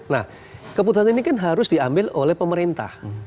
nah keputusan ini kan harus diambil oleh pemerintah